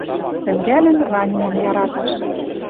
Тӹнгӓлӹн раньымым яраташ